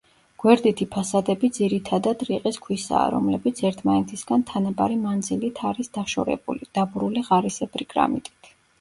გვერდითი ფასადები ძირითადათ რიყის ქვისაა, რომლებიც ერთმანეთისგან თანაბარი მანძილით არის დაშორებული, დაბურული ღარისებრი კრამიტით.